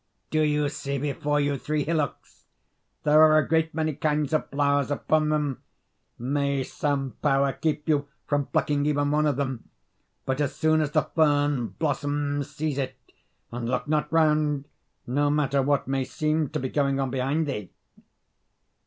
"Do you see before you three hillocks? There are a great many kinds of flowers upon them. May some power keep you from plucking even one of them. But as soon as the fern blossoms, seize it, and look not round, no matter what may seem to be going on behind thee."